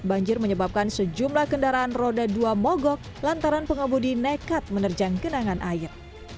banjir menyebabkan sejumlah kendaraan roda dua mogok lantaran pengemudi nekat menerjang genangan air